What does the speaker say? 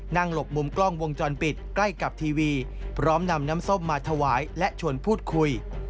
หลบมุมกล้องวงจรปิดใกล้กับทีวีพร้อมนำน้ำส้มมาถวายและชวนพูดคุย